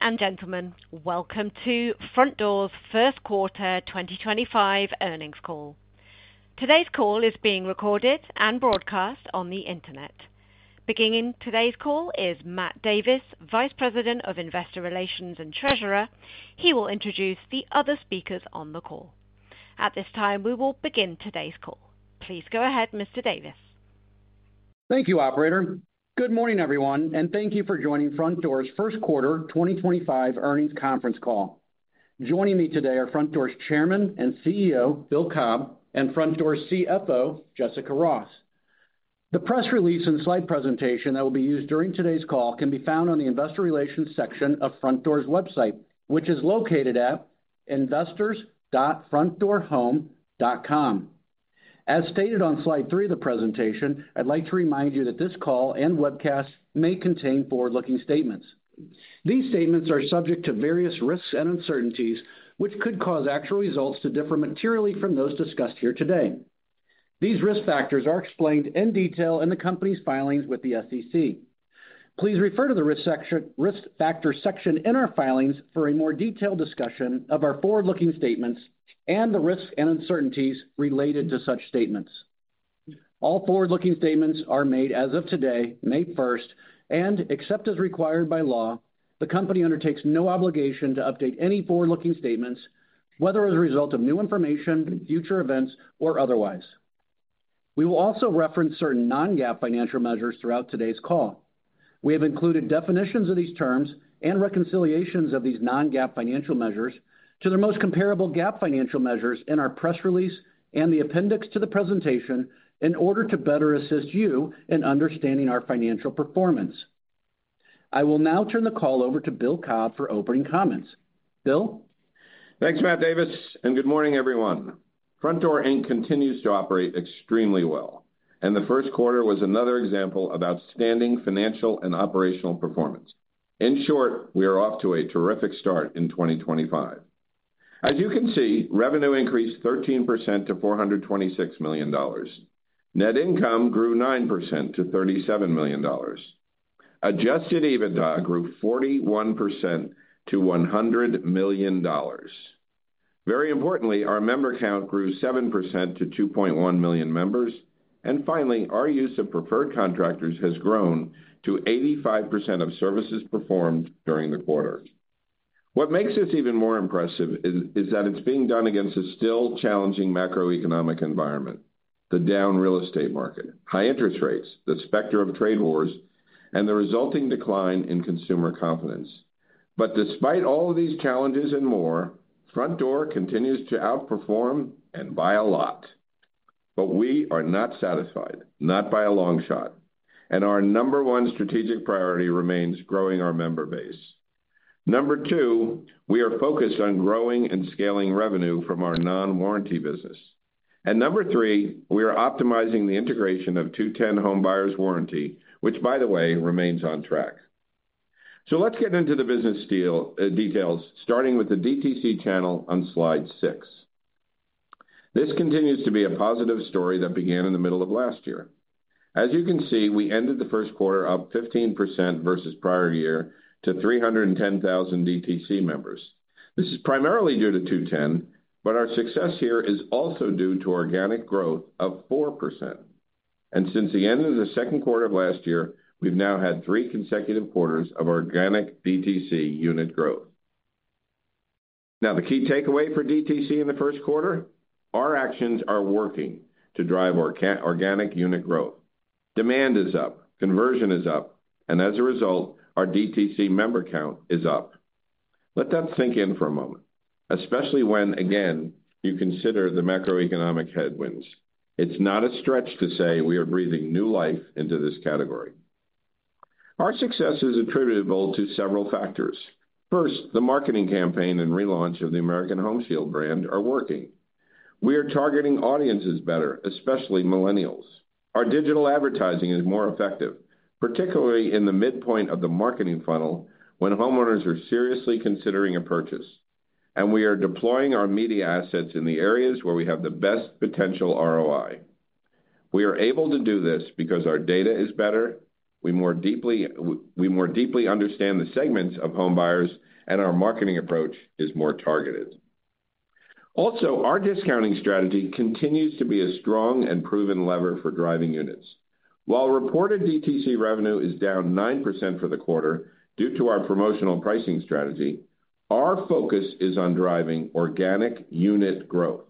and gentlemen, welcome to Frontdoor's first quarter 2025 earnings call. Today's call is being recorded and broadcast on the internet. Beginning today's call is Matt Davis, Vice President of Investor Relations and Treasurer. He will introduce the other speakers on the call. At this time, we will begin today's call. Please go ahead, Mr. Davis. Thank you, Operator. Good morning, everyone, and thank you for joining Frontdoor's first quarter 2025 earnings conference call. Joining me today are Frontdoor's Chairman and CEO, Bill Cobb, and Frontdoor's CFO, Jessica Ross. The press release and slide presentation that will be used during today's call can be found on the Investor Relations section of Frontdoor's website, which is located at investors.frontdoorhome.com. As stated on slide three of the presentation, I'd like to remind you that this call and webcast may contain forward-looking statements. These statements are subject to various risks and uncertainties, which could cause actual results to differ materially from those discussed here today. These risk factors are explained in detail in the company's filings with the SEC. Please refer to the risk factor section in our filings for a more detailed discussion of our forward-looking statements and the risks and uncertainties related to such statements. All forward-looking statements are made as of today, May 1st, and, except as required by law, the company undertakes no obligation to update any forward-looking statements, whether as a result of new information, future events, or otherwise. We will also reference certain non-GAAP financial measures throughout today's call. We have included definitions of these terms and reconciliations of these non-GAAP financial measures to their most comparable GAAP financial measures in our press release and the appendix to the presentation in order to better assist you in understanding our financial performance. I will now turn the call over to Bill Cobb for opening comments. Bill? Thanks, Matt Davis, and good morning, everyone. Frontdoor continues to operate extremely well, and the first quarter was another example of outstanding financial and operational performance. In short, we are off to a terrific start in 2025. As you can see, revenue increased 13% to $426 million. Net income grew 9% to $37 million. Adjusted EBITDA grew 41% to $100 million. Very importantly, our member count grew 7% to 2.1 million members. Finally, our use of preferred contractors has grown to 85% of services performed during the quarter. What makes this even more impressive is that it is being done against a still challenging macroeconomic environment: the down real estate market, high interest rates, the specter of trade wars, and the resulting decline in consumer confidence. Despite all of these challenges and more, Frontdoor continues to outperform and by a lot. We are not satisfied, not by a long shot, and our number one strategic priority remains growing our member base. Number two, we are focused on growing and scaling revenue from our non-warranty business. Number three, we are optimizing the integration of 2-10 Home Buyers Warranty, which, by the way, remains on track. Let's get into the business details, starting with the DTC channel on slide 6. This continues to be a positive story that began in the middle of last year. As you can see, we ended the first quarter up 15% versus prior year to 310,000 DTC members. This is primarily due to 2-10, but our success here is also due to organic growth of 4%. Since the end of the second quarter of last year, we've now had three consecutive quarters of organic DTC unit growth. Now, the key takeaway for DTC in the first quarter: our actions are working to drive organic unit growth. Demand is up, conversion is up, and as a result, our DTC member count is up. Let that sink in for a moment, especially when, again, you consider the macroeconomic headwinds. It's not a stretch to say we are breathing new life into this category. Our success is attributable to several factors. First, the marketing campaign and relaunch of the American Home Shield brand are working. We are targeting audiences better, especially millennials. Our digital advertising is more effective, particularly in the midpoint of the marketing funnel when homeowners are seriously considering a purchase. We are deploying our media assets in the areas where we have the best potential ROI. We are able to do this because our data is better. We more deeply understand the segments of home buyers, and our marketing approach is more targeted. Also, our discounting strategy continues to be a strong and proven lever for driving units. While reported DTC revenue is down 9% for the quarter due to our promotional pricing strategy, our focus is on driving organic unit growth.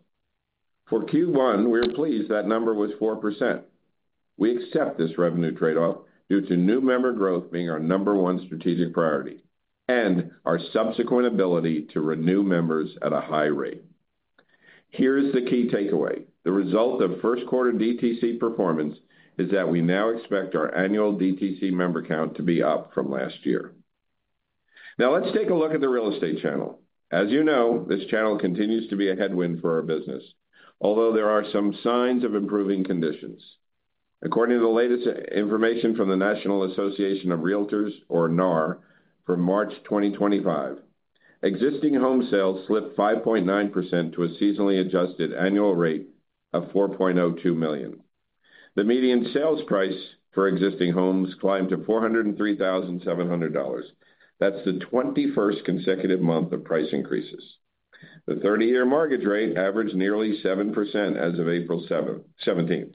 For Q1, we're pleased that number was 4%. We accept this revenue trade-off due to new member growth being our number one strategic priority and our subsequent ability to renew members at a high rate. Here's the key takeaway. The result of first quarter DTC performance is that we now expect our annual DTC member count to be up from last year. Now, let's take a look at the real estate channel. As you know, this channel continues to be a headwind for our business, although there are some signs of improving conditions. According to the latest information from the National Association of Realtors, or NAR, for March 2025, existing home sales slipped 5.9% to a seasonally adjusted annual rate of $4.02 million. The median sales price for existing homes climbed to $403,700. That's the 21st consecutive month of price increases. The 30-year mortgage rate averaged nearly 7% as of April 17th.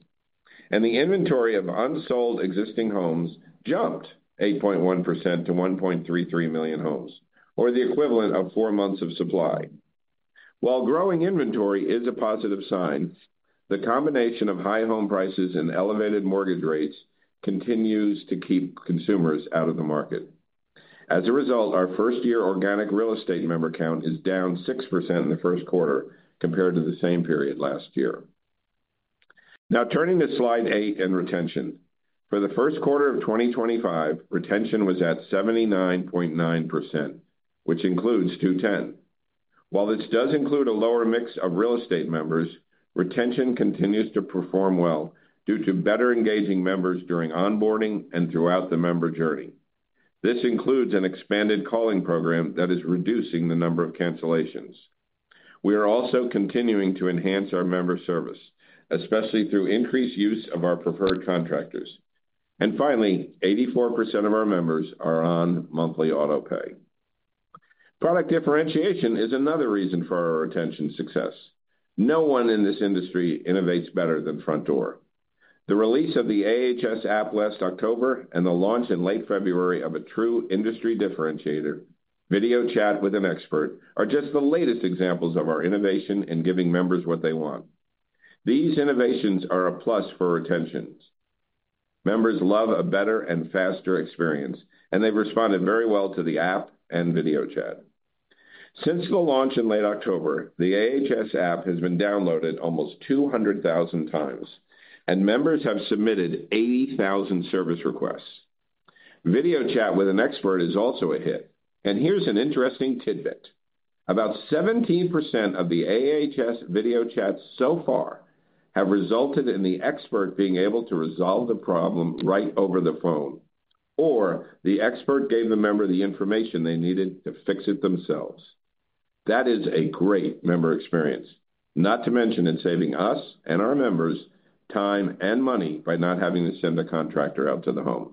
The inventory of unsold existing homes jumped 8.1% to 1.33 million homes, or the equivalent of four months of supply. While growing inventory is a positive sign, the combination of high home prices and elevated mortgage rates continues to keep consumers out of the market. As a result, our first-year organic real estate member count is down 6% in the first quarter compared to the same period last year. Now, turning to slide eight and retention. For the first quarter of 2025, retention was at 79.9%, which includes 2-10. While this does include a lower mix of real estate members, retention continues to perform well due to better engaging members during onboarding and throughout the member journey. This includes an expanded calling program that is reducing the number of cancellations. We are also continuing to enhance our member service, especially through increased use of our preferred contractors. Finally, 84% of our members are on monthly autopay. Product differentiation is another reason for our retention success. No one in this industry innovates better than Frontdoor. The release of the AHS app last October and the launch in late February of a true industry differentiator, video chat with an expert, are just the latest examples of our innovation in giving members what they want. These innovations are a plus for retentions. Members love a better and faster experience, and they've responded very well to the app and video chat. Since the launch in late October, the AHS app has been downloaded almost 200,000 times, and members have submitted 80,000 service requests. Video chat with an expert is also a hit. Here's an interesting tidbit. About 17% of the AHS video chats so far have resulted in the expert being able to resolve the problem right over the phone, or the expert gave the member the information they needed to fix it themselves. That is a great member experience, not to mention saving us and our members time and money by not having to send a contractor out to the home.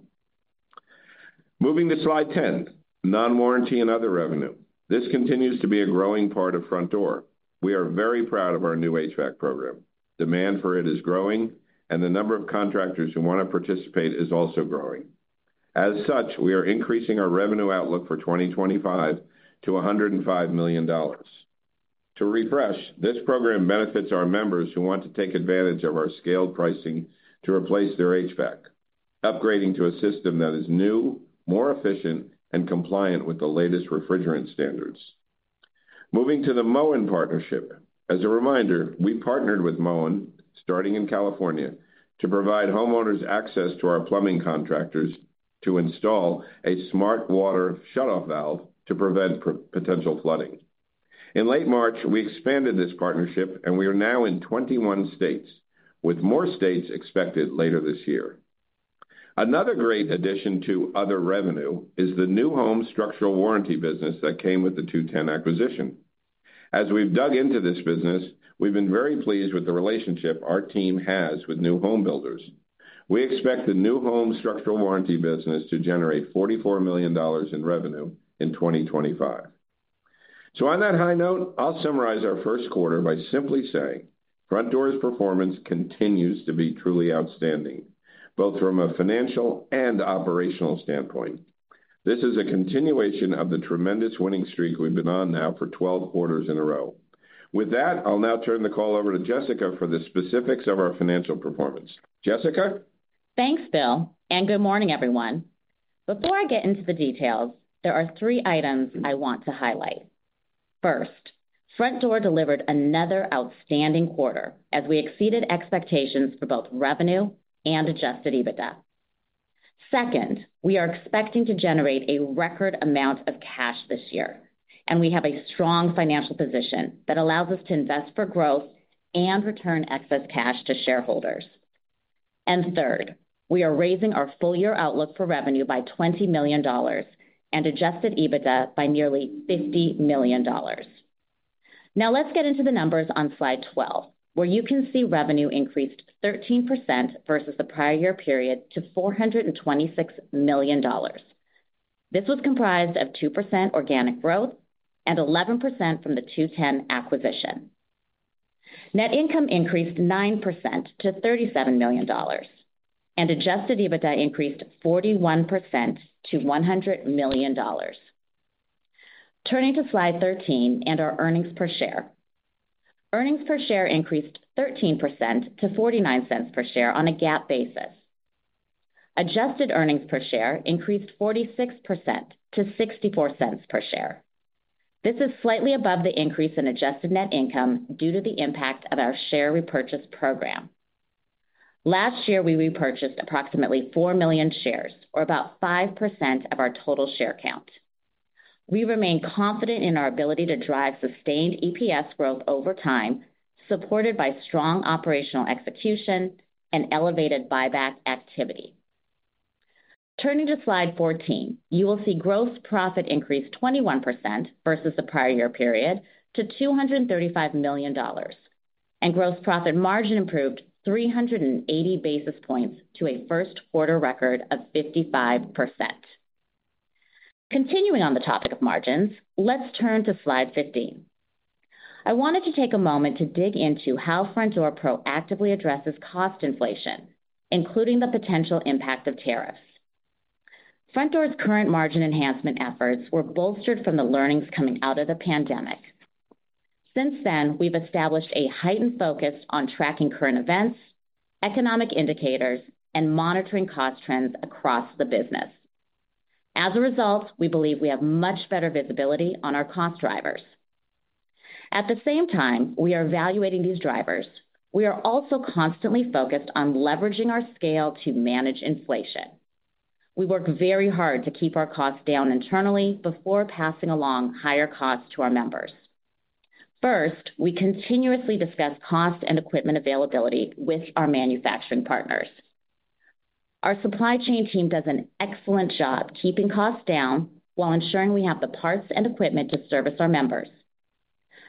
Moving to slide 10, non-warranty and other revenue. This continues to be a growing part of Frontdoor. We are very proud of our new HVAC program. Demand for it is growing, and the number of contractors who want to participate is also growing. As such, we are increasing our revenue outlook for 2025 to $105 million. To refresh, this program benefits our members who want to take advantage of our scaled pricing to replace their HVAC, upgrading to a system that is new, more efficient, and compliant with the latest refrigerant standards. Moving to the Moen partnership. As a reminder, we partnered with Moen, starting in California, to provide homeowners access to our plumbing contractors to install a smart water shutoff valve to prevent potential flooding. In late March, we expanded this partnership, and we are now in 21 states, with more states expected later this year. Another great addition to other revenue is the new home structural warranty business that came with the 2-10 acquisition. As we've dug into this business, we've been very pleased with the relationship our team has with new home builders. We expect the new home structural warranty business to generate $44 million in revenue in 2025. On that high note, I'll summarize our first quarter by simply saying Frontdoor's performance continues to be truly outstanding, both from a financial and operational standpoint. This is a continuation of the tremendous winning streak we've been on now for 12 quarters in a row. With that, I'll now turn the call over to Jessica for the specifics of our financial performance. Jessica? Thanks, Bill, and good morning, everyone. Before I get into the details, there are three items I want to highlight. First, Frontdoor delivered another outstanding quarter as we exceeded expectations for both revenue and adjusted EBITDA. Second, we are expecting to generate a record amount of cash this year, and we have a strong financial position that allows us to invest for growth and return excess cash to shareholders. Third, we are raising our full-year outlook for revenue by $20 million and adjusted EBITDA by nearly $50 million. Now, let's get into the numbers on slide 12, where you can see revenue increased 13% versus the prior year period to $426 million. This was comprised of 2% organic growth and 11% from the 2-10 acquisition. Net income increased 9% to $37 million, and adjusted EBITDA increased 41% to $100 million. Turning to slide 13 and our earnings per share. Earnings per share increased 13% to $0.49 per share on a GAAP basis. Adjusted earnings per share increased 46% to $0.64 per share. This is slightly above the increase in adjusted net income due to the impact of our share repurchase program. Last year, we repurchased approximately 4 million shares, or about 5% of our total share count. We remain confident in our ability to drive sustained EPS growth over time, supported by strong operational execution and elevated buyback activity. Turning to slide 14, you will see gross profit increased 21% versus the prior year period to $235 million, and gross profit margin improved 380 basis points to a first quarter record of 55%. Continuing on the topic of margins, let's turn to slide 15. I wanted to take a moment to dig into how Frontdoor proactively addresses cost inflation, including the potential impact of tariffs. Frontdoor's current margin enhancement efforts were bolstered from the learnings coming out of the pandemic. Since then, we've established a heightened focus on tracking current events, economic indicators, and monitoring cost trends across the business. As a result, we believe we have much better visibility on our cost drivers. At the same time we are evaluating these drivers, we are also constantly focused on leveraging our scale to manage inflation. We work very hard to keep our costs down internally before passing along higher costs to our members. First, we continuously discuss cost and equipment availability with our manufacturing partners. Our supply chain team does an excellent job keeping costs down while ensuring we have the parts and equipment to service our members.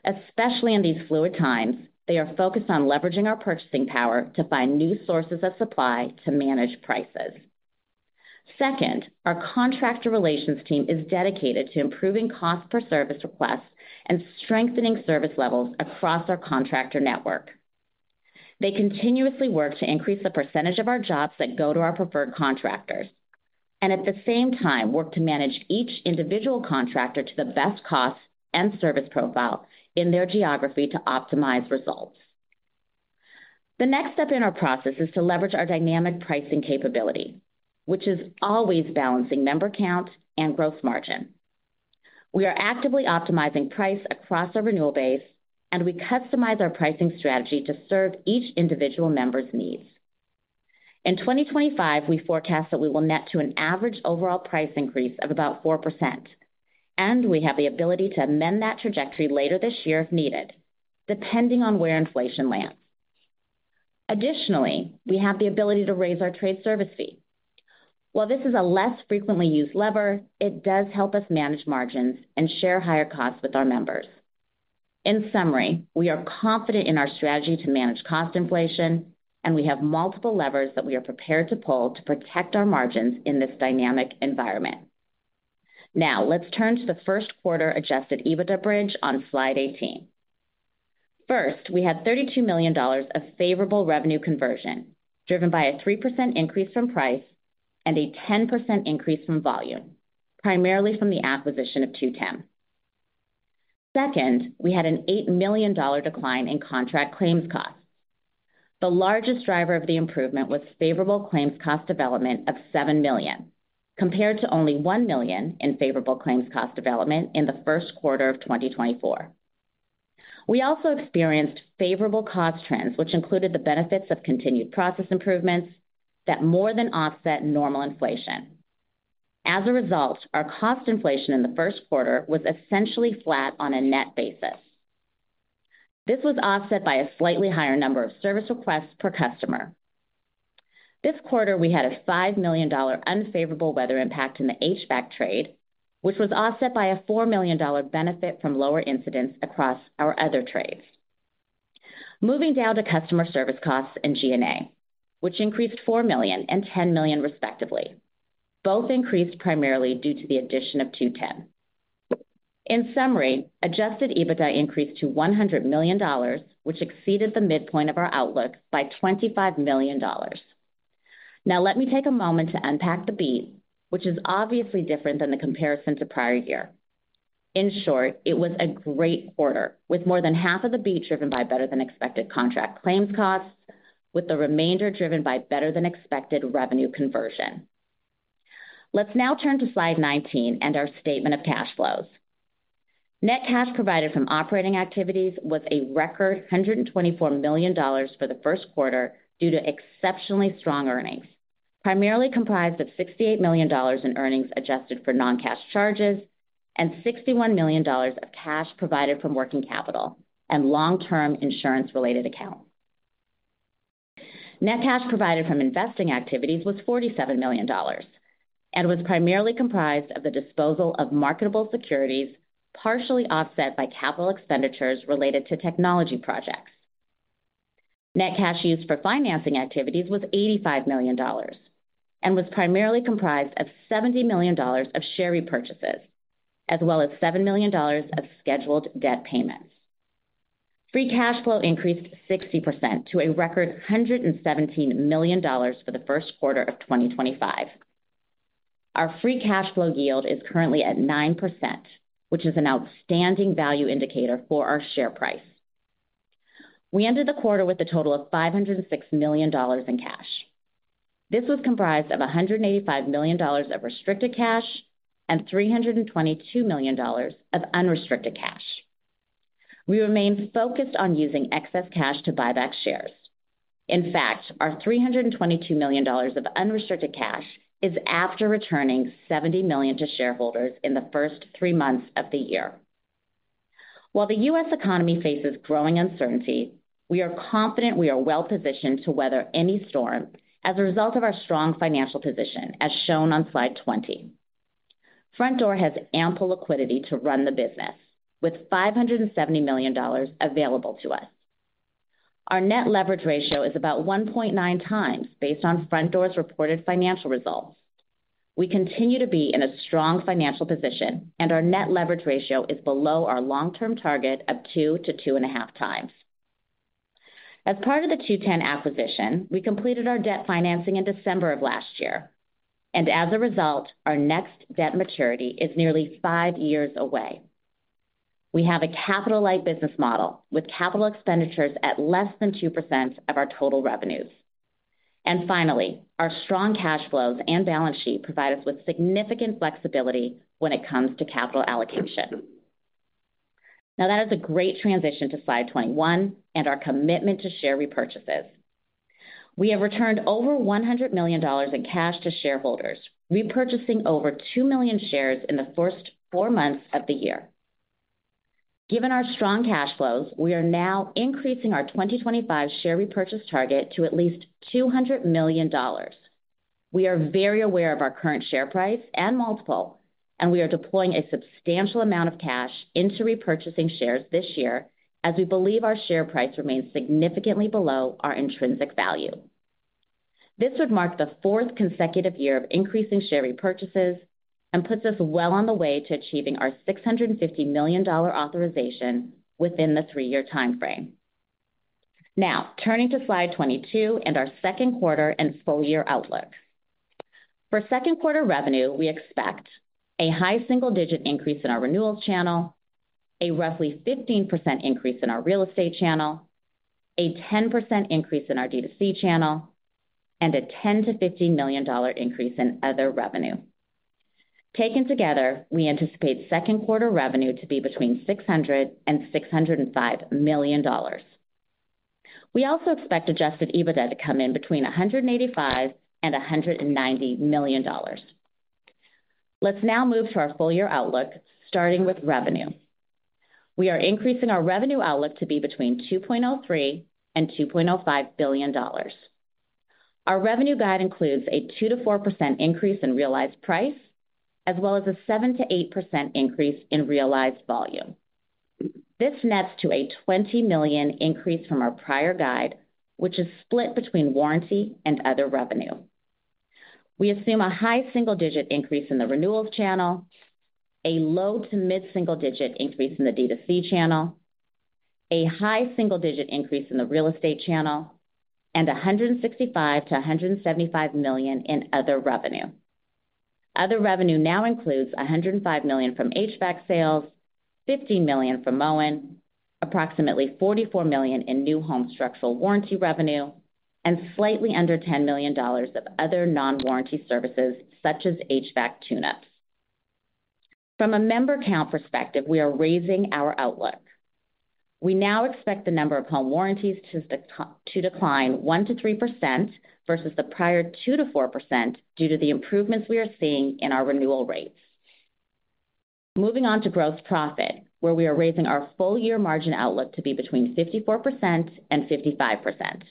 Especially in these fluid times, they are focused on leveraging our purchasing power to find new sources of supply to manage prices. Second, our contractor relations team is dedicated to improving cost per service requests and strengthening service levels across our contractor network. They continuously work to increase the percentage of our jobs that go to our preferred contractors, and at the same time work to manage each individual contractor to the best cost and service profile in their geography to optimize results. The next step in our process is to leverage our dynamic pricing capability, which is always balancing member count and gross margin. We are actively optimizing price across our renewal base, and we customize our pricing strategy to serve each individual member's needs. In 2025, we forecast that we will net to an average overall price increase of about 4%, and we have the ability to amend that trajectory later this year if needed, depending on where inflation lands. Additionally, we have the ability to raise our trade service fee. While this is a less frequently used lever, it does help us manage margins and share higher costs with our members. In summary, we are confident in our strategy to manage cost inflation, and we have multiple levers that we are prepared to pull to protect our margins in this dynamic environment. Now, let's turn to the first quarter adjusted EBITDA bridge on slide 18. First, we had $32 million of favorable revenue conversion driven by a 3% increase from price and a 10% increase from volume, primarily from the acquisition of 2-10. Second, we had an $8 million decline in contract claims costs. The largest driver of the improvement was favorable claims cost development of $7 million, compared to only $1 million in favorable claims cost development in the first quarter of 2024. We also experienced favorable cost trends, which included the benefits of continued process improvements that more than offset normal inflation. As a result, our cost inflation in the first quarter was essentially flat on a net basis. This was offset by a slightly higher number of service requests per customer. This quarter, we had a $5 million unfavorable weather impact in the HVAC trade, which was offset by a $4 million benefit from lower incidents across our other trades. Moving down to customer service costs and G&A, which increased $4 million and $10 million respectively. Both increased primarily due to the addition of 2-10. In summary, adjusted EBITDA increased to $100 million, which exceeded the midpoint of our outlook by $25 million. Now, let me take a moment to unpack the beat, which is obviously different than the comparison to prior year. In short, it was a great quarter, with more than half of the beat driven by better than expected contract claims costs, with the remainder driven by better than expected revenue conversion. Let's now turn to slide 19 and our statement of cash flows. Net cash provided from operating activities was a record $124 million for the first quarter due to exceptionally strong earnings, primarily comprised of $68 million in earnings adjusted for non-cash charges and $61 million of cash provided from working capital and long-term insurance-related accounts. Net cash provided from investing activities was $47 million and was primarily comprised of the disposal of marketable securities partially offset by capital expenditures related to technology projects. Net cash used for financing activities was $85 million and was primarily comprised of $70 million of share repurchases, as well as $7 million of scheduled debt payments. Free cash flow increased 60% to a record $117 million for the first quarter of 2025. Our free cash flow yield is currently at 9%, which is an outstanding value indicator for our share price. We ended the quarter with a total of $506 million in cash. This was comprised of $185 million of restricted cash and $322 million of unrestricted cash. We remained focused on using excess cash to buy back shares. In fact, our $322 million of unrestricted cash is after returning $70 million to shareholders in the first three months of the year. While the U.S. economy faces growing uncertainty, we are confident we are well positioned to weather any storm as a result of our strong financial position, as shown on slide 20. Frontdoor has ample liquidity to run the business, with $570 million available to us. Our net leverage ratio is about 1.9 times based on Frontdoor's reported financial results. We continue to be in a strong financial position, and our net leverage ratio is below our long-term target of 2-2.5 times. As part of the 2-10 acquisition, we completed our debt financing in December of last year, and as a result, our next debt maturity is nearly five years away. We have a capital-like business model with capital expenditures at less than 2% of our total revenues. Finally, our strong cash flows and balance sheet provide us with significant flexibility when it comes to capital allocation. That is a great transition to slide 21 and our commitment to share repurchases. We have returned over $100 million in cash to shareholders, repurchasing over 2 million shares in the first four months of the year. Given our strong cash flows, we are now increasing our 2025 share repurchase target to at least $200 million. We are very aware of our current share price and multiple, and we are deploying a substantial amount of cash into repurchasing shares this year as we believe our share price remains significantly below our intrinsic value. This would mark the fourth consecutive year of increasing share repurchases and puts us well on the way to achieving our $650 million authorization within the three-year timeframe. Now, turning to slide 22 and our second quarter and full-year outlook. For second quarter revenue, we expect a high single-digit increase in our renewals channel, a roughly 15% increase in our real estate channel, a 10% increase in our DTC channel, and a $10-$15 million increase in other revenue. Taken together, we anticipate second quarter revenue to be between $600 million and $605 million. We also expect adjusted EBITDA to come in between $185 million and $190 million. Let's now move to our full-year outlook, starting with revenue. We are increasing our revenue outlook to be between $2.03 billion and $2.05 billion. Our revenue guide includes a 2%-4% increase in realized price, as well as a 7%-8% increase in realized volume. This nets to a $20 million increase from our prior guide, which is split between warranty and other revenue. We assume a high single-digit increase in the renewals channel, a low to mid-single-digit increase in the DTC channel, a high single-digit increase in the real estate channel, and $165 million-$175 million in other revenue. Other revenue now includes $105 million from HVAC sales, $15 million from Moen, approximately $44 million in new home structural warranty revenue, and slightly under $10 million of other non-warranty services such as HVAC tune-ups. From a member count perspective, we are raising our outlook. We now expect the number of home warranties to decline 1-3% versus the prior 2%-4% due to the improvements we are seeing in our renewal rates. Moving on to gross profit, where we are raising our full-year margin outlook to be between 54% and 55%.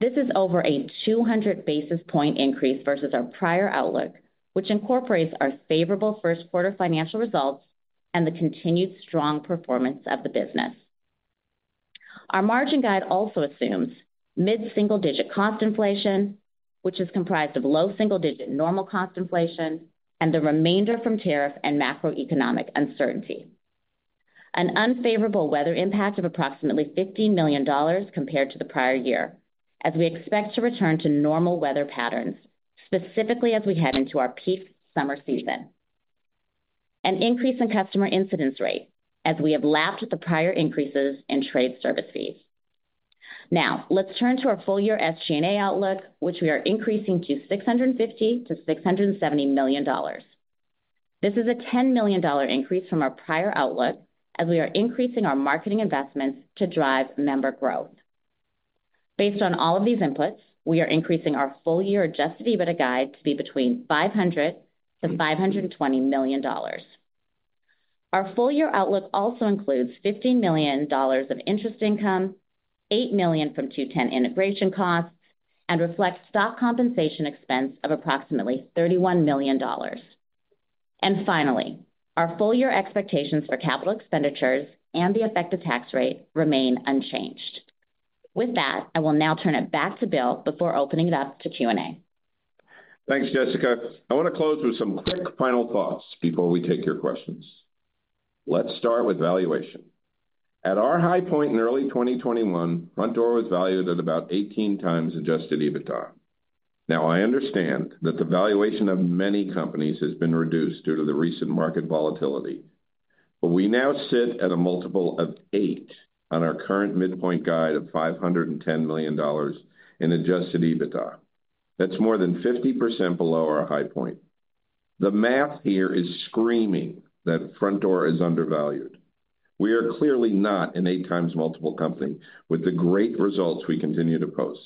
This is over a 200 basis point increase versus our prior outlook, which incorporates our favorable first quarter financial results and the continued strong performance of the business. Our margin guide also assumes mid-single-digit cost inflation, which is comprised of low single-digit normal cost inflation and the remainder from tariff and macroeconomic uncertainty. An unfavorable weather impact of approximately $15 million compared to the prior year, as we expect to return to normal weather patterns, specifically as we head into our peak summer season. An increase in customer incidence rate as we have lapped the prior increases in trade service fees. Now, let's turn to our full-year SG&A outlook, which we are increasing to $650 million-$670 million. This is a $10 million increase from our prior outlook as we are increasing our marketing investments to drive member growth. Based on all of these inputs, we are increasing our full-year adjusted EBITDA guide to be between $500 million-$520 million. Our full-year outlook also includes $15 million of interest income, $8 million from 2-10 integration costs, and reflects stock compensation expense of approximately $31 million. Finally, our full-year expectations for capital expenditures and the effective tax rate remain unchanged. With that, I will now turn it back to Bill before opening it up to Q&A. Thanks, Jessica. I want to close with some quick final thoughts before we take your questions. Let's start with valuation. At our high point in early 2021, Frontdoor was valued at about 18x adjusted EBITDA. Now, I understand that the valuation of many companies has been reduced due to the recent market volatility, but we now sit at a multiple of 8 on our current midpoint guide of $510 million in adjusted EBITDA. That's more than 50% below our high point. The math here is screaming that Frontdoor is undervalued. We are clearly not an 8 times multiple company with the great results we continue to post.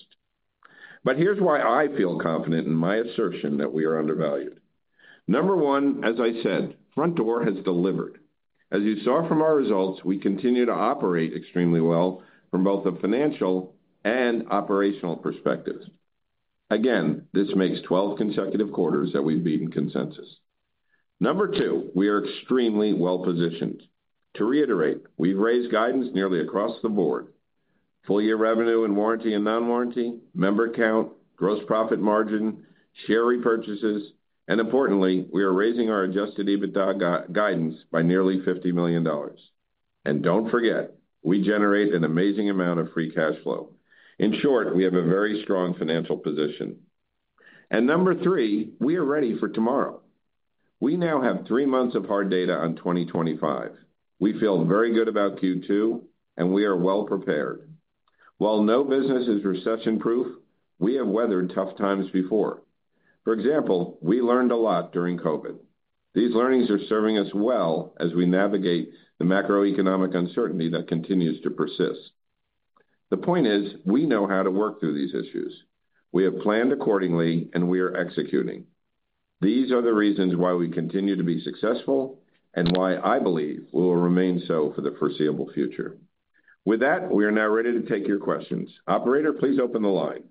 Here's why I feel confident in my assertion that we are undervalued. Number one, as I said, Frontdoor has delivered. As you saw from our results, we continue to operate extremely well from both the financial and operational perspectives. Again, this makes 12 consecutive quarters that we've beaten consensus. Number two, we are extremely well positioned. To reiterate, we've raised guidance nearly across the board: full-year revenue and warranty and non-warranty, member count, gross profit margin, share repurchases, and importantly, we are raising our adjusted EBITDA guidance by nearly $50 million. Do not forget, we generate an amazing amount of free cash flow. In short, we have a very strong financial position. Number three, we are ready for tomorrow. We now have three months of hard data on 2025. We feel very good about Q2, and we are well prepared. While no business is recession-proof, we have weathered tough times before. For example, we learned a lot during COVID. These learnings are serving us well as we navigate the macroeconomic uncertainty that continues to persist. The point is, we know how to work through these issues. We have planned accordingly, and we are executing. These are the reasons why we continue to be successful and why I believe we will remain so for the foreseeable future. With that, we are now ready to take your questions. Operator, please open the line.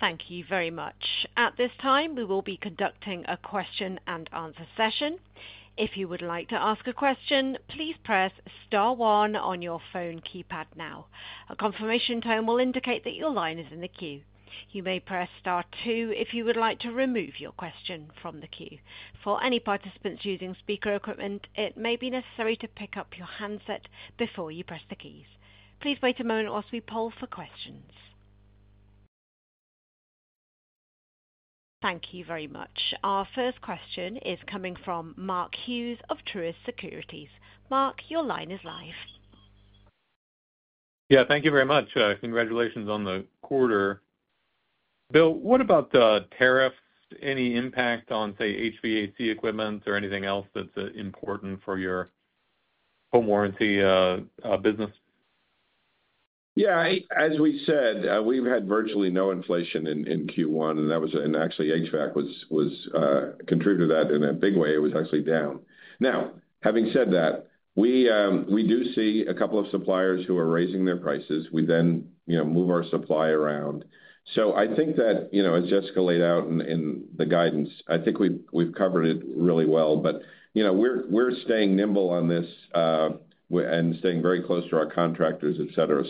Thank you very much. At this time, we will be conducting a question and answer session. If you would like to ask a question, please press Star 1 on your phone keypad now. A confirmation tone will indicate that your line is in the queue. You may press Star 2 if you would like to remove your question from the queue. For any participants using speaker equipment, it may be necessary to pick up your handset before you press the keys. Please wait a moment whilst we poll for questions. Thank you very much. Our first question is coming from Mark Hughes of Truist Securities. Mark, your line is live. Yeah, thank you very much. Congratulations on the quarter. Bill, what about tariffs? Any impact on, say, HVAC equipment or anything else that's important for your home warranty business? Yeah, as we said, we've had virtually no inflation in Q1, and actually, HVAC contributed to that in a big way. It was actually down. Now, having said that, we do see a couple of suppliers who are raising their prices. We then move our supply around. I think that, as Jessica laid out in the guidance, I think we've covered it really well, but we're staying nimble on this and staying very close to our contractors, etc.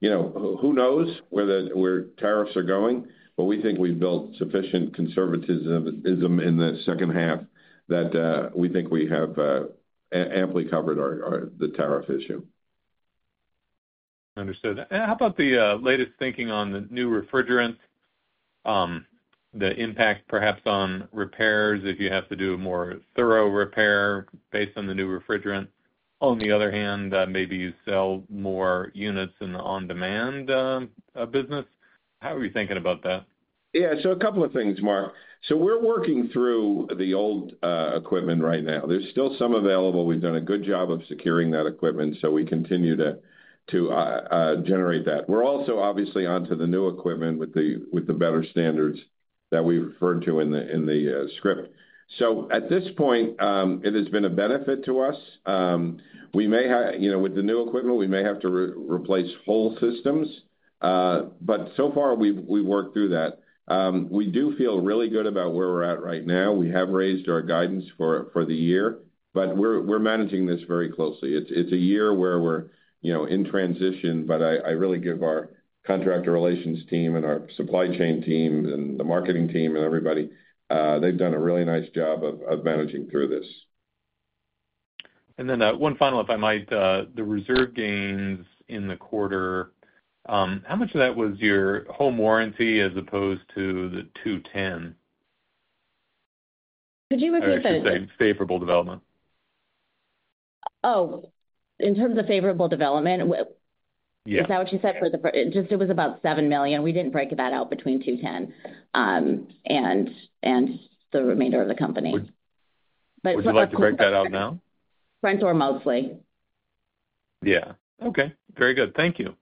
Who knows where tariffs are going, but we think we've built sufficient conservatism in the second half that we think we have amply covered the tariff issue. Understood. How about the latest thinking on the new refrigerants, the impact perhaps on repairs if you have to do a more thorough repair based on the new refrigerant? On the other hand, maybe you sell more units in the on-demand business. How are you thinking about that? Yeah, a couple of things, Mark. We're working through the old equipment right now. There's still some available. We've done a good job of securing that equipment, so we continue to generate that. We're also obviously onto the new equipment with the better standards that we referred to in the script. At this point, it has been a benefit to us. With the new equipment, we may have to replace whole systems, but so far, we've worked through that. We do feel really good about where we're at right now. We have raised our guidance for the year, but we're managing this very closely. It's a year where we're in transition, but I really give our contractor relations team and our supply chain team and the marketing team and everybody, they've done a really nice job of managing through this. One final, if I might, the reserve gains in the quarter, how much of that was your home warranty as opposed to the 2-10? Could you repeat that? Favorable development. Oh, in terms of favorable development? Is that what you said for the first? It was about $7 million. We didn't break that out between 2-10 and the remainder of the company. Would you like to break that out now? Frontdoor mostly. Yeah. Very good. Thank you.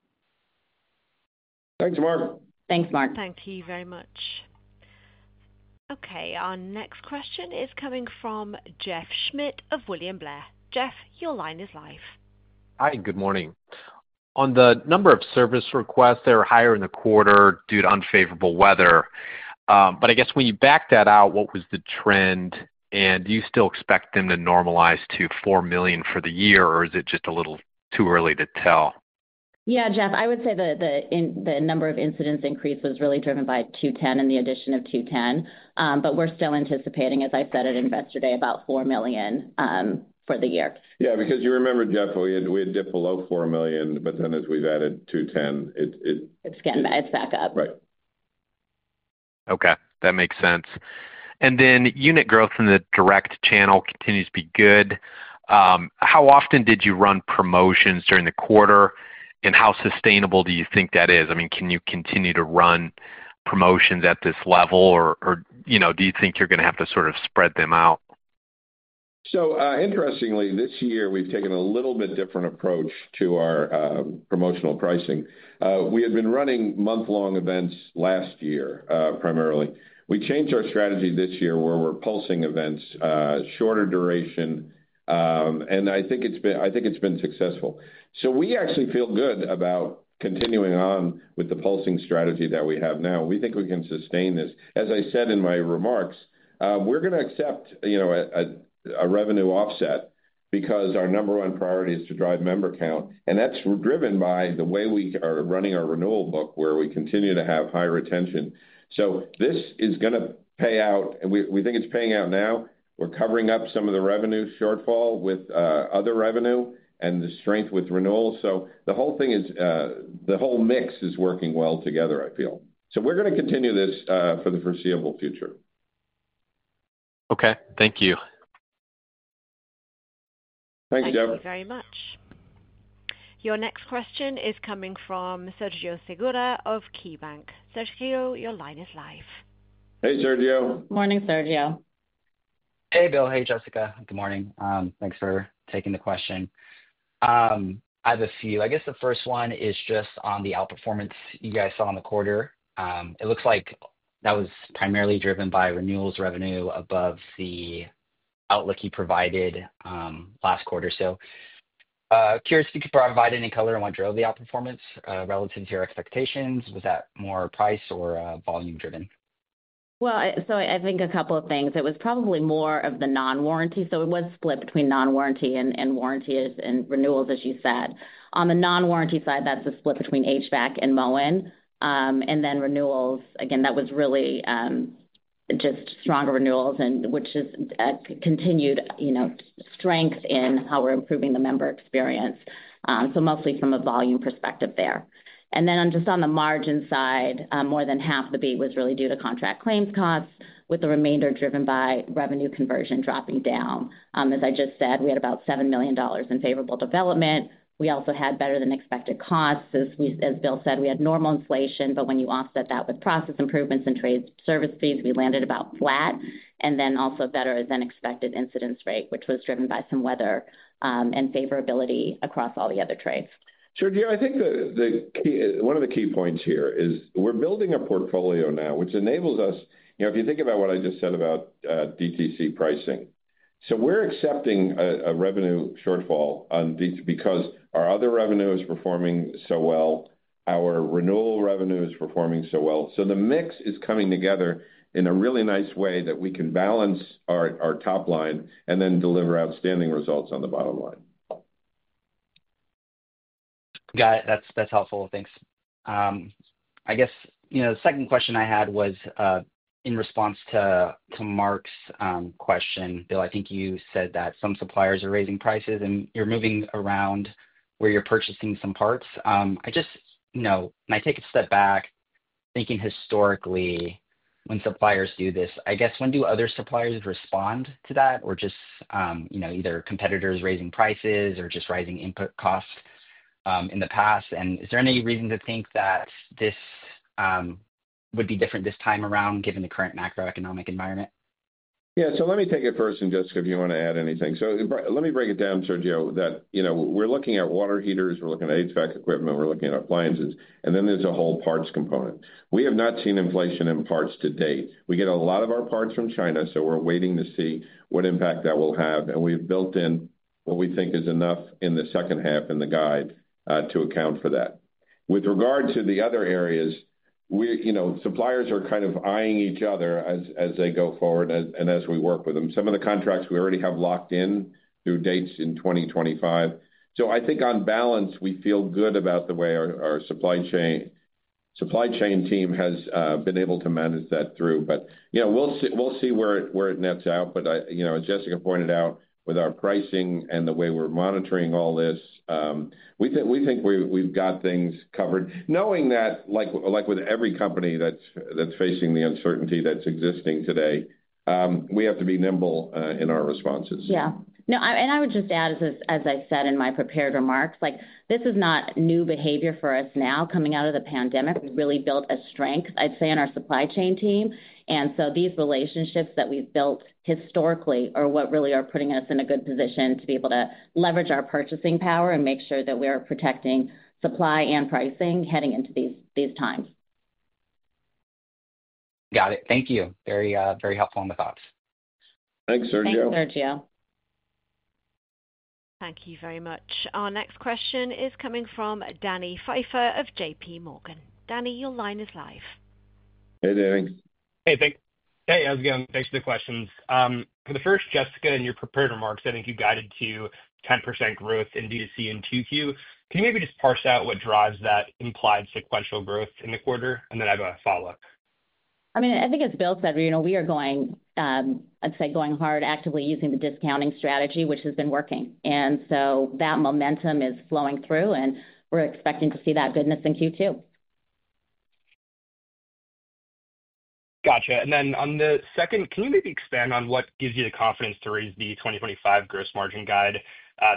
Thanks, Mark. Thanks, Mark. Thank you very much. Okay. Our next question is coming from Jeff Schmitt of William Blair. Jeff, your line is live. Hi, good morning. On the number of service requests, they're higher in the quarter due to unfavorable weather. I guess when you back that out, what was the trend? Do you still expect them to normalize to $4 million for the year, or is it just a little too early to tell? Yeah, Jeff, I would say the number of incidents increase was really driven by 2-10 and the addition of 2-10. We're still anticipating, as I said at investor day, about $4 million for the year. You remember, Jeff, we had dipped below $4 million, but then as we've added 2-10, it's back up. Right. Okay. That makes sense. Unit growth in the direct channel continues to be good. How often did you run promotions during the quarter, and how sustainable do you think that is? I mean, can you continue to run promotions at this level, or do you think you're going to have to sort of spread them out? Interestingly, this year, we've taken a little bit different approach to our promotional pricing. We had been running month-long events last year, primarily. We changed our strategy this year where we're pulsing events, shorter duration, and I think it's been successful. We actually feel good about continuing on with the pulsing strategy that we have now. We think we can sustain this. As I said in my remarks, we're going to accept a revenue offset because our number one priority is to drive member count, and that's driven by the way we are running our renewal book, where we continue to have high retention. This is going to pay out, and we think it's paying out now. We're covering up some of the revenue shortfall with other revenue and the strength with renewal. The whole thing is the whole mix is working well together, I feel. We're going to continue this for the foreseeable future. Okay. Thank you. Thanks, Jeff. Thank you very much. Your next question is coming from Sergio Segura of KeyBanc. Sergio, your line is live. Hey, Sergio. Morning, Sergio. Hey, Bill. Hey, Jessica. Good morning. Thanks for taking the question. I have a few. I guess the first one is just on the outperformance you guys saw in the quarter. It looks like that was primarily driven by renewals revenue above the outlook you provided last quarter. Curious if you could provide any color on what drove the outperformance relative to your expectations. Was that more price or volume-driven? I think a couple of things. It was probably more of the non-warranty. It was split between non-warranty and warranties and renewals, as you said. On the non-warranty side, that's a split between HVAC and Moen. Renewals, again, that was really just stronger renewals, which is continued strength in how we're improving the member experience. Mostly from a volume perspective there. On the margin side, more than half of the beat was really due to contract claims costs, with the remainder driven by revenue conversion dropping down. As I just said, we had about $7 million in favorable development. We also had better-than-expected costs. As Bill said, we had normal inflation, but when you offset that with process improvements and trade service fees, we landed about flat. Then also better-than-expected incidence rate, which was driven by some weather and favorability across all the other trades. Sergio, I think one of the key points here is we're building a portfolio now, which enables us, if you think about what I just said about DTC pricing. We're accepting a revenue shortfall because our other revenue is performing so well, our renewal revenue is performing so well. The mix is coming together in a really nice way that we can balance our top line and then deliver outstanding results on the bottom line. Got it. That's helpful. Thanks. I guess the second question I had was in response to Mark's question. Bill, I think you said that some suppliers are raising prices and you're moving around where you're purchasing some parts. I just, when I take a step back, thinking historically when suppliers do this, I guess when do other suppliers respond to that, or just either competitors raising prices or just rising input costs in the past? Is there any reason to think that this would be different this time around given the current macroeconomic environment? Yeah. Let me take it first and Jessica, if you want to add anything. Let me break it down, Sergio, that we're looking at water heaters, we're looking at HVAC equipment, we're looking at appliances, and then there's a whole parts component. We have not seen inflation in parts to date. We get a lot of our parts from China, so we're waiting to see what impact that will have. We've built in what we think is enough in the second half in the guide to account for that. With regard to the other areas, suppliers are kind of eyeing each other as they go forward and as we work with them. Some of the contracts we already have locked in through dates in 2025. I think on balance, we feel good about the way our supply chain team has been able to manage that through. We will see where it nets out. As Jessica pointed out, with our pricing and the way we're monitoring all this, we think we've got things covered. Knowing that, like with every company that's facing the uncertainty that's existing today, we have to be nimble in our responses. Yeah. I would just add, as I said in my prepared remarks, this is not new behavior for us now coming out of the pandemic. We've really built a strength, I'd say, in our supply chain team. These relationships that we've built historically are what really are putting us in a good position to be able to leverage our purchasing power and make sure that we are protecting supply and pricing heading into these times. Got it. Thank you. Very helpful on the thoughts. Thanks, Sergio. Thank you, Sergio. Thank you very much. Our next question is coming from Danny Pfeiffer of JPMorgan. Danny, your line is live. Hey Danny. Hey, Bill. Hey, how's it going? Thanks for the questions. For the first, Jessica, in your prepared remarks, I think you guided to 10% growth in DTC and 2Q. Can you maybe just parse out what drives that implied sequential growth in the quarter? And then I have a follow-up. I mean, I think as Bill said, we are going, I'd say, going hard, actively using the discounting strategy, which has been working. That momentum is flowing through, and we're expecting to see that goodness in Q2. Gotcha. On the second, can you maybe expand on what gives you the confidence to raise the 2025 gross margin guide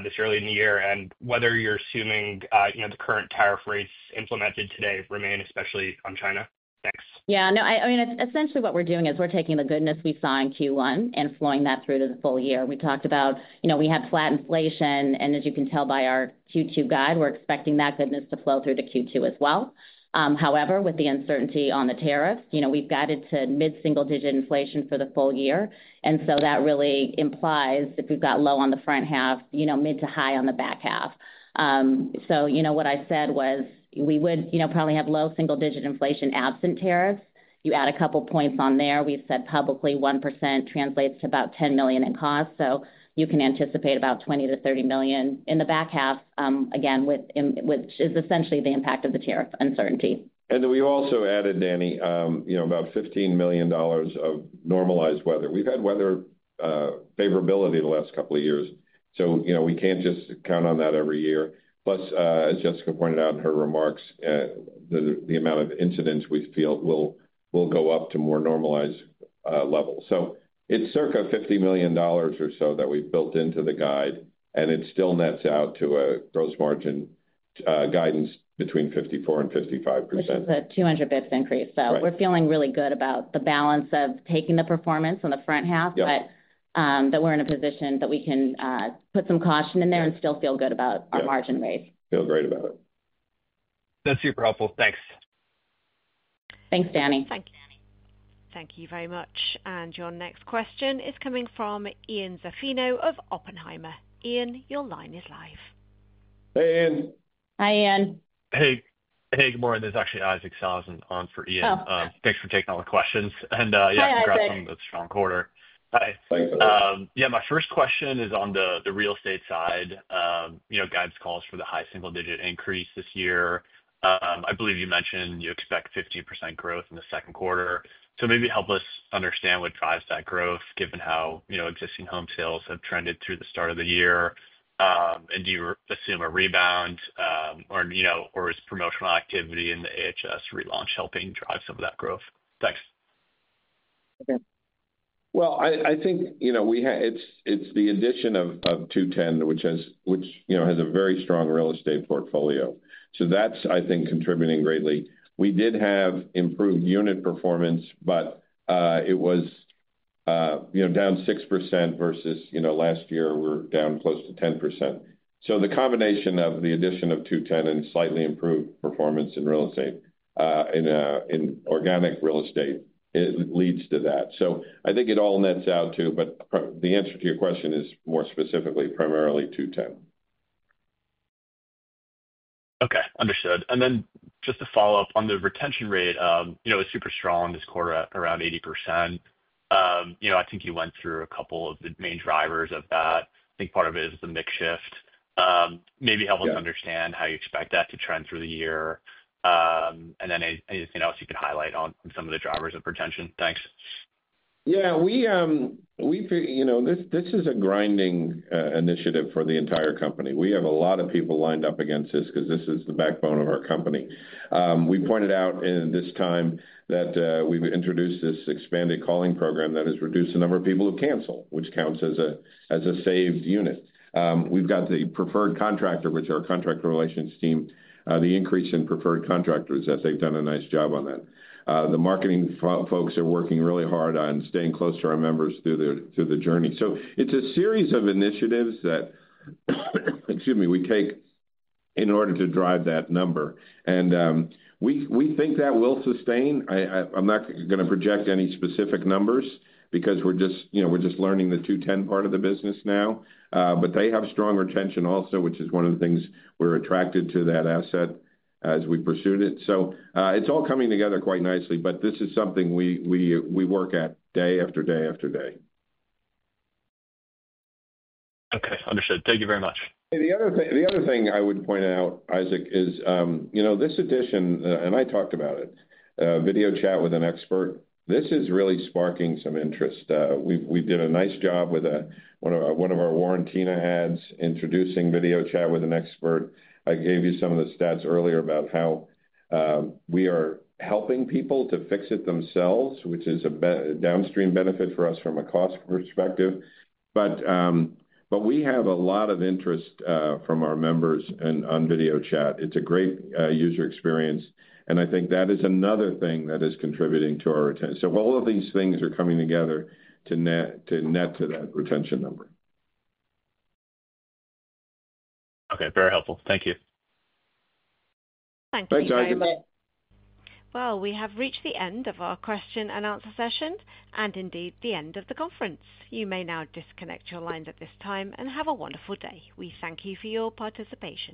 this early in the year and whether you're assuming the current tariff rates implemented today remain, especially on China? Thanks. Yeah. No, I mean, essentially what we're doing is we're taking the goodness we saw in Q1 and flowing that through to the full year. We talked about we had flat inflation, and as you can tell by our Q2 guide, we're expecting that goodness to flow through to Q2 as well. However, with the uncertainty on the tariffs, we've guided to mid-single-digit inflation for the full year. That really implies if we've got low on the front half, mid to high on the back half. What I said was we would probably have low single-digit inflation absent tariffs. You add a couple of points on there. We've said publicly 1% translates to about $10 million in cost. You can anticipate about $20 million-$30 million in the back half, again, which is essentially the impact of the tariff uncertainty. We also added, Danny, about $15 million of normalized weather. We've had weather favorability the last couple of years. We can't just count on that every year. Plus, as Jessica pointed out in her remarks, the amount of incidents we feel will go up to more normalized levels. It is circa $50 million or so that we've built into the guide, and it still nets out to a gross margin guidance between 54%-55%. This is a 200 basis points increase. We're feeling really good about the balance of taking the performance on the front half, but that we're in a position that we can put some caution in there and still feel good about our margin raise. Feel great about it. That's super helpful. Thanks. Thanks, Danny. Thank you very much. Your next question is coming from Ian Zaffino of Oppenheimer. Ian, your line is live. Hey, Ian. Hi, Ian. Hey, good morning. This is actually Isaac Saulson on for Ian. Thanks for taking all the questions. Yeah, congrats on the strong quarter. Hi. Thanks a lot. My first question is on the real estate side. Guidance calls for the high single-digit increase this year. I believe you mentioned you expect 15% growth in the second quarter. Maybe help us understand what drives that growth, given how existing home sales have trended through the start of the year. Do you assume a rebound, or is promotional activity in the AHS relaunch helping drive some of that growth? Thanks. Okay. I think it's the addition of 2-10, which has a very strong real estate portfolio. That's, I think, contributing greatly. We did have improved unit performance, but it was down 6% versus last year, we were down close to 10%. The combination of the addition of 2-10 and slightly improved performance in real estate, in organic real estate, leads to that. I think it all nets out too, but the answer to your question is more specifically primarily 2-10. Okay. Understood. Just to follow up on the retention rate, it's super strong this quarter, around 80%. I think you went through a couple of the main drivers of that. I think part of it is the makeshift. Maybe help us understand how you expect that to trend through the year. Anything else you could highlight on some of the drivers of retention? Thanks. Yeah. This is a grinding initiative for the entire company. We have a lot of people lined up against this because this is the backbone of our company. We pointed out in this time that we've introduced this expanded calling program that has reduced the number of people who cancel, which counts as a saved unit. We've got the preferred contractor, which is our contract relations team, the increase in preferred contractors as they've done a nice job on that. The marketing folks are working really hard on staying close to our members through the journey. It's a series of initiatives that, excuse me, we take in order to drive that number. We think that will sustain. I'm not going to project any specific numbers because we're just learning the 2-10 part of the business now. They have strong retention also, which is one of the things we were attracted to in that asset as we pursued it. It's all coming together quite nicely, but this is something we work at day after day after day. Okay. Understood. Thank you very much. The other thing I would point out, Isaac, is this addition, and I talked about it, video chat with an expert. This is really sparking some interest. We did a nice job with one of our Warrantina ads introducing video chat with an expert. I gave you some of the stats earlier about how we are helping people to fix it themselves, which is a downstream benefit for us from a cost perspective. We have a lot of interest from our members on video chat. It's a great user experience. I think that is another thing that is contributing to our retention. All of these things are coming together to net to that retention number. Okay. Very helpful. Thank you. Thanks, Isaac. We have reached the end of our question and answer session, and indeed the end of the conference. You may now disconnect your lines at this time and have a wonderful day. We thank you for your participation.